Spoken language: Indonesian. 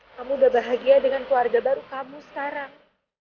kamu udah bahagia dengan keluarga baru kamu sekarang